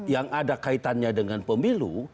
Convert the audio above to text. yang ada kaitannya dengan pemilu